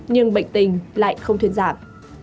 nhưng bệnh tình lại không thuyên giảm